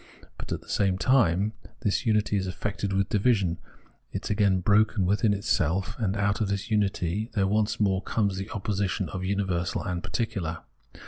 But, at the same time, this unity is affected with division, is again broken within itself, and out of this unity there once more comes the opposition of universal and particular.